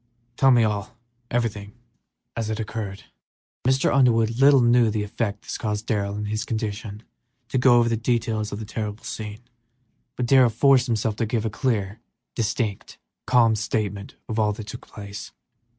"Tell me all, everything, just as it occurred." Mr. Underwood little knew the effort it cost Darrell in his condition to go over the details of the terrible scene, but he forced himself to give a clear, succinct, calm statement of all that took place.